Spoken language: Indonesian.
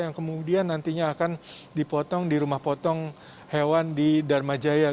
yang kemudian nantinya akan dipotong di rumah potong hewan di dharma jaya